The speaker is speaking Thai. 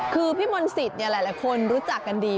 คือพี่มนต์สิทธิ์หลายคนรู้จักกันดี